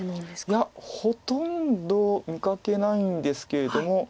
いやほとんど見かけないんですけれども。